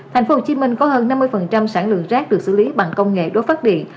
thành phố hồ chí minh có hơn năm mươi sản lượng rác được xử lý bằng công nghệ đốt phát điện